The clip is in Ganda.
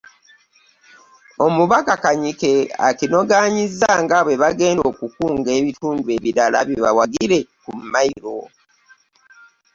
Omubaka Kanyike akinogaanyizza nga bwe bagenda okukunga ebitundu ebirala bibawagire ku Mayiro.